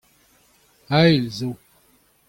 avel zo.